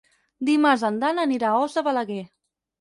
Dimarts en Dan anirà a Os de Balaguer.